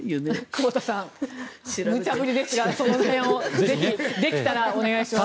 久保田さんむちゃ振りですがその辺をぜひお願いします。